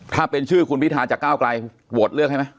ถ้าเป็นชื่อคุณพิธาจากก้าวไกลโหวตเลือกให้ไหม